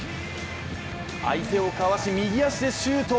相手をかわし右足でシュート。